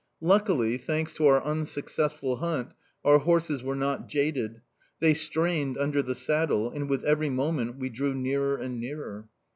"Luckily, thanks to our unsuccessful hunt, our horses were not jaded; they strained under the saddle, and with every moment we drew nearer and nearer...